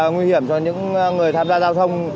nguy hiểm cho những người tham gia giao thông